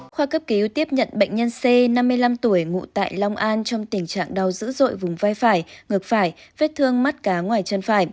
khoa cấp cứu tiếp nhận bệnh nhân c năm mươi năm tuổi ngụ tại long an trong tình trạng đau dữ dội vùng vai phải ngược phải vết thương mắt cá ngoài chân phải